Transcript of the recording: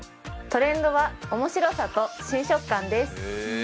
トレンドはおもしろさと新食感です。